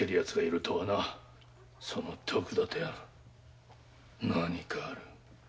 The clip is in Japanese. その徳田とやら何かある。